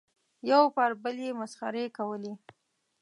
یو پر بل یې مسخرې کولې.